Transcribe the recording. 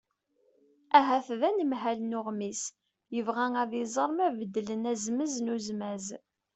ahat d anemhal n uɣmis yebɣa ad iẓer ma beddlen azemz n uzmaz